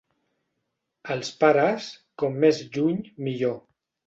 Els pares, com més lluny millor.